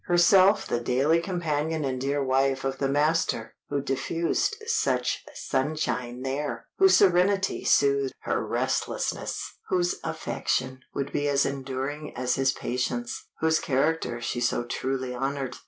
Herself the daily companion and dear wife of the master who diffused such sunshine there; whose serenity soothed her restlessness; whose affection would be as enduring as his patience; whose character she so truly honored.